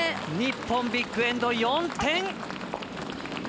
日本、ビッグ・エンド４点！